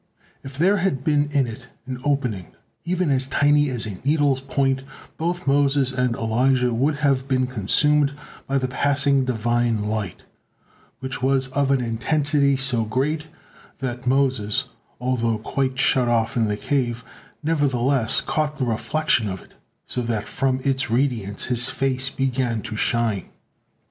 If there had been in it an opening even as tiny as a needle's point, both Moses and Elijah would have been consumed by the passing Divine light, which was of an intensity so great that Moses, although quite shut off in the cave, nevertheless caught the reflection of it, so that from its radiance his face began to shine.